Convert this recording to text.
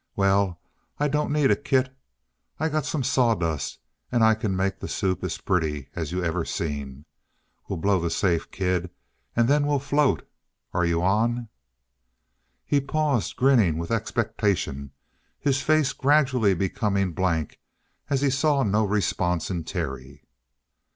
Well, I don't need a kit. I got some sawdust and I can make the soup as pretty as you ever seen. We'll blow the safe, kid, and then we'll float. Are you on?" He paused, grinning with expectation, his face gradually becoming blank as he saw no response in Terry.